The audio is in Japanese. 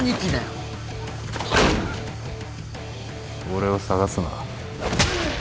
俺を捜すな。